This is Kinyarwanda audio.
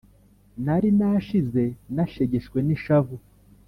Nari nashize nashegeshwe n'ishavu